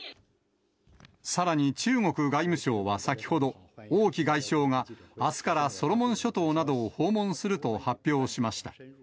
さらに中国外務省は先ほど、王毅外相があすからソロモン諸島などを訪問すると発表しました。